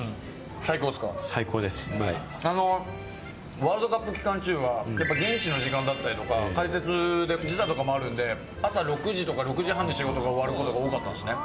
ワールドカップ期間中は現地の時間だったりとか、解説で時差とかもあるんで、朝６時とか６時半に仕事が終わることが多かったんですね。